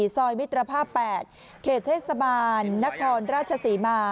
ซอยมิตรภาพ๘เขตเทศบาลนครราชศรีมา